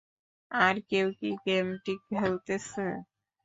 আর কেউ কি গেমটি খেলতেছে?